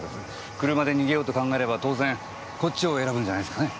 車で逃げようと考えれば当然こっちを選ぶんじゃないすかね？